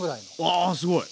あすごい！